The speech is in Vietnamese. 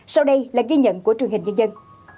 sau đây là ghi nhận của truyền hình nhân dân